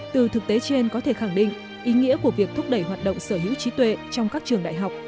từ thực tế trên có thể khẳng định ý nghĩa của việc thúc đẩy hoạt động sở hữu trí tuệ trong các trường đại học